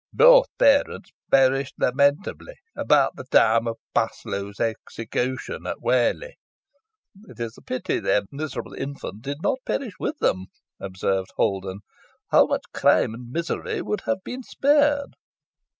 Both parents perished lamentably, about the time of Paslew's execution at Whalley." "It is a pity their miserable infant did not perish with them," observed Holden. "How much crime and misery would have been spared!"